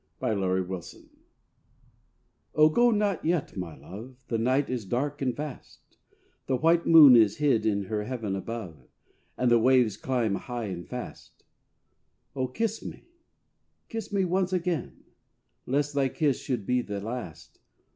VI =Hero to Leander= Oh go not yet, my love, The night is dark and vast; The white moon is hid in her heaven above, And the waves climb high and fast. Oh! kiss me, kiss me, once again, Lest thy kiss should be the last.